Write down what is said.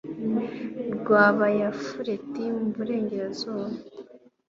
rw'abayafuleti mu burengerazuba